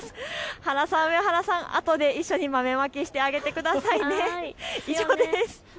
原さん、上原さん、あとで一緒に豆まきしてあげてください。